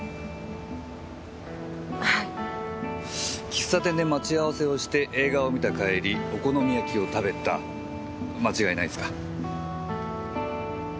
喫茶店で待ち合わせをして映画を観た帰りお好み焼きを食べた間違いないですか？